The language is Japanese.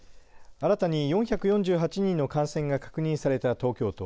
新たに４４８人の感染が確認された東京都。